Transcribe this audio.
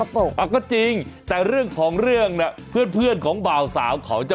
พี่เบิร์นเฮ้ยเข้าหรอ